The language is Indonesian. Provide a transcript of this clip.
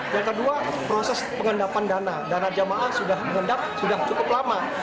yang kedua proses pengendapan dana dana jemaah sudah cukup lama